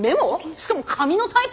しかも紙のタイプ？